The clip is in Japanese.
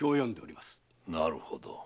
なるほど。